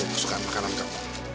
masukkan makanan kamu